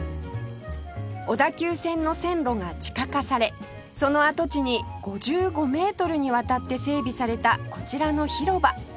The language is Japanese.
小田急線の線路が地下化されその跡地に５５メートルにわたって整備されたこちらの広場